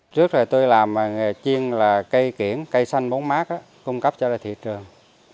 trước rồi tôi làm nghề chiên là cây kiển cây xanh bốn mát cung cấp cho thị trường